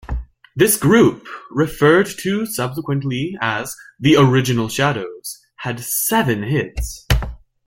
This group, referred to subsequently as "the Original Shadows", had seven hits.